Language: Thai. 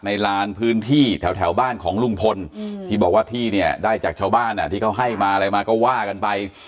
ลานพื้นที่แถวบ้านของลุงพลที่บอกว่าที่เนี่ยได้จากชาวบ้านที่เขาให้มาอะไรมาก็ว่ากันไป